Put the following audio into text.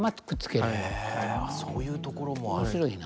へえそういうところもあるんだ。